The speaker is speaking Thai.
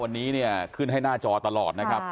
วันนี้เนี่ยขึ้นให้หน้าจอตลอดนะครับ